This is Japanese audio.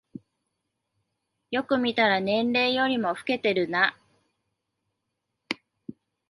よく見たら年齢よりも老けてるな